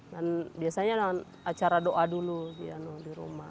dan biasanya acara doa dulu di rumah